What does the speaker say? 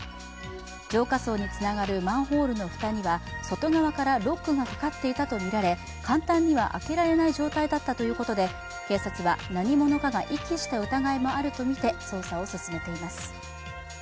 浄化槽につながるマンホールの蓋には外側からロックがかかっていたとみられ簡単には開けられない状態だったということで、警察は何者かが遺棄した疑いもあるとみて捜査を進めています。